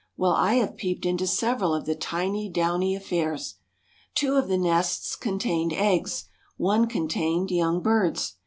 Well, I have peeped into several of the tiny, downy affairs. Two of the nests contained eggs; one contained young birds.